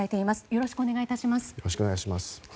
よろしくお願いします。